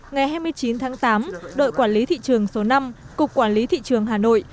ngày hai mươi chín tháng tám đội quản lý thị trường số năm cục quản lý thị trường hà nội